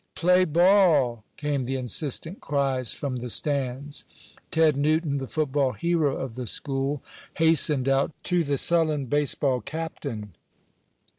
"Play ball!" came the insistent cries from the stands. Ted Newton, the football hero of the school, hastened out to the sullen baseball captain.